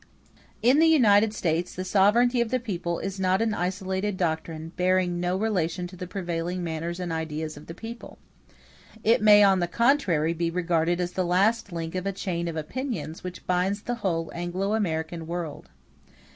In the United States, the sovereignty of the people is not an isolated doctrine bearing no relation to the prevailing manners and ideas of the people: it may, on the contrary, be regarded as the last link of a chain of opinions which binds the whole Anglo American world.